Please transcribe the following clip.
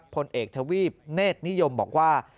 พลเอกทวีปเนธนิยมบอกว่า